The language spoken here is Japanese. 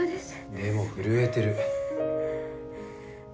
でも震えてる。